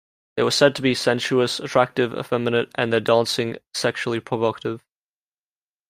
They were said to be "sensuous, attractive, effeminate", and their dancing "sexually provocative".